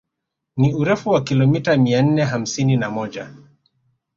Ni urefu wa kilomita mia nne hamsini na moja